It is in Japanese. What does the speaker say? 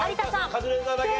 カズレーザーだけ。